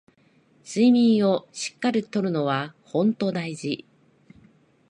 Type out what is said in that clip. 睡眠をしっかり取るのはほんと大事